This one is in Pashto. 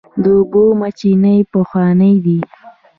د اوبو میچنې پخوانۍ دي.